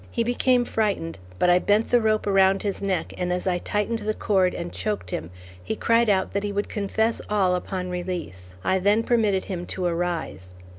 He became frightened, but I bent the rope around his neck and as I tightened the cord, and choked him, he cried out that he would confess all upon release. I then permitted him to arise.